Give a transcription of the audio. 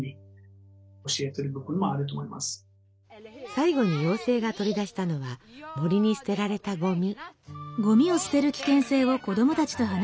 最後に妖精が取り出したのは森に捨てられたゴミ。